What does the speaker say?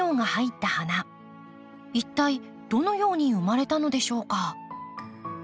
一体どのように生まれたのでしょうか？